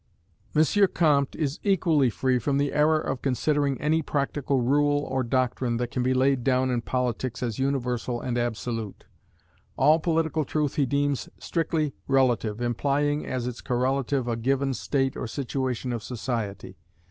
M. Comte is equally free from the error of considering any practical rule or doctrine that can be laid down in politics as universal and absolute. All political truth he deems strictly relative, implying as its correlative a given state or situation of society.